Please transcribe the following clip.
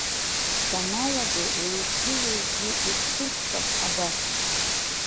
Саналго уеизгьы-уеизгьы ихсыркәшап абас.